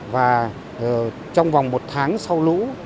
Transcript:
và trong vòng một tháng sau lũ